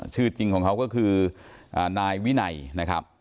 ชื่อจริงของเขาก็คือนายวินัยนะครับ